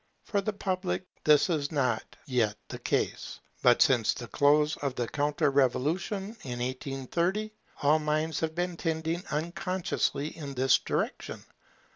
For the public this is not yet the case; but since the close of the Counter revolution in 1830, all minds have been tending unconsciously in this direction.